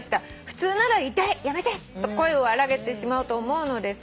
普通なら『痛い！やめて！』と声を荒げてしまうと思うのですが。